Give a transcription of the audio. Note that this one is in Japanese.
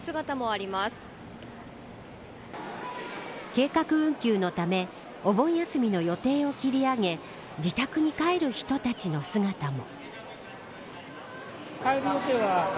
計画運休のためお盆休みの予定を切り上げ自宅に帰る人たちの姿も。